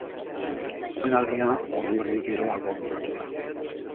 Omenaldia ordu erdi geroago bukatu da.